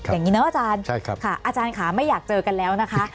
อย่างนี้เนอะอาจารย์อาจารย์ขาไม่อยากเจอกันแล้วนะคะ